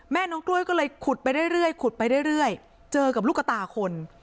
แม่น้องกล้วยก็เลยขุดไปเรื่อยเจอกับลูกตาคน